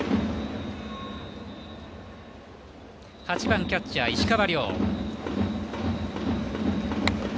８番キャッチャー石川亮。